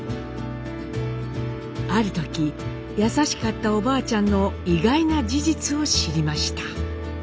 ある時優しかったおばあちゃんの意外な事実を知りました。